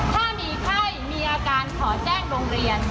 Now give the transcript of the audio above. ถ้ามีไข้มีอาการขอแจ้งโรงเรียน